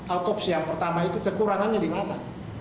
autopsi yang pertama itu kekurangannya di mana